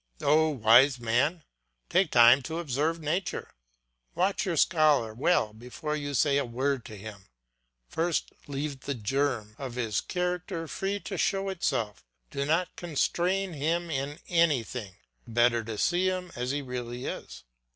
Oh, wise man, take time to observe nature; watch your scholar well before you say a word to him; first leave the germ of his character free to show itself, do not constrain him in anything, the better to see him as he really is.